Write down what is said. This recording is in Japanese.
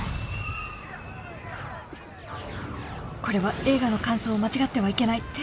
これは映画の感想を間違ってはいけない